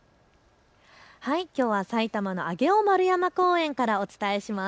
きょうは埼玉の上尾丸山公園からお伝えします。